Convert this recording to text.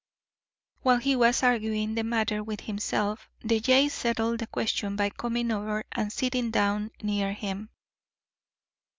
While he was arguing the matter with himself, the jay settled the question by coming over and sitting down near him.